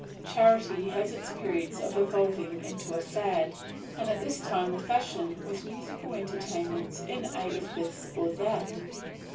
Charity has its periods of evolving into a fad, and at this time the fashion was musical entertainments in aid of this or that.